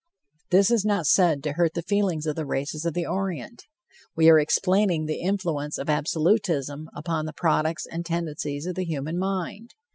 This is not said to hurt the feelings of the races of the Orient. We are explaining the influence of absolutism upon the products and tendencies of the human mind.